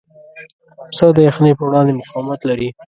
پسه د یخنۍ پر وړاندې مقاومت لري.